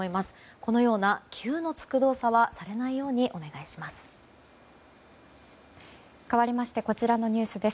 このような、急の付く動作はされないようにお願いします。